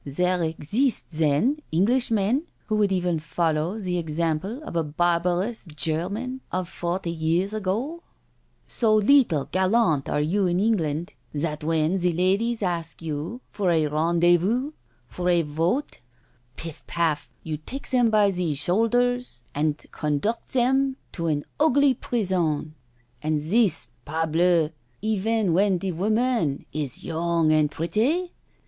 " There exist then Englishmen who would even follow the example of a barbarous German of forty years ago I So little gallant are you in England, that when the ladies ask you for a rendezvous, for a vote — piff paff, you take them by the shoulders and conduct them to an ugly prison I And this, parblettf even when the woman is young and pretty?